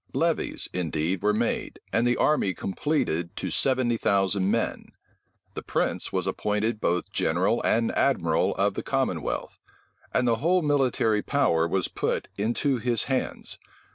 Levies, indeed, were made, and the army completed to seventy thousand men;[*] the prince was appointed both general and admiral of the commonwealth, and the whole military power was put into his hands.